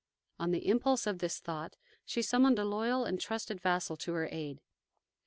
On the impulse of this thought she summoned a loyal and trusted vassal to her aid.